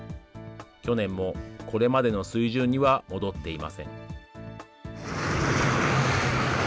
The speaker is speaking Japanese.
去年もこれまでの水準には戻っていません。